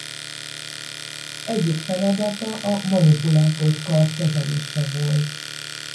Egyik feladata a manipulátor kar kezelése volt.